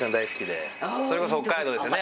それこそ北海道ですよね